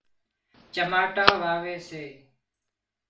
چماٽان واوي سي